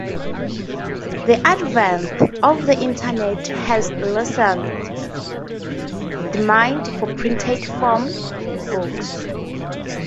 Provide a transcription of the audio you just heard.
The advent of the Internet has lessened demand for printed form books.